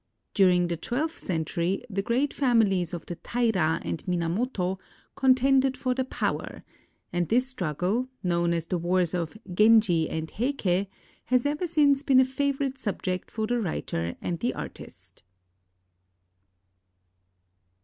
During the twelfth century the great fam ilies of the Taira and Minamoto contended for the power, and this struggle, known as the wars of " Genji and Heike," has ever since been a favorite subject for the writer and the artist.